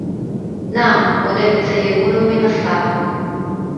نعم ، ولكن سيكون من الصعب.